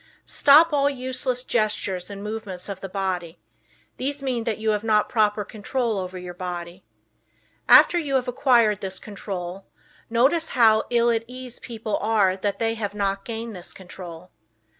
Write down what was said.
Stop all useless gestures and movements of the body. These mean that you have not proper control over your body. After you have acquired this control, notice how "ill at ease" people are that have not gained this control.